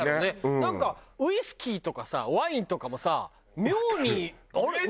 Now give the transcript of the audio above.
なんかウイスキーとかさワインとかもさ妙に。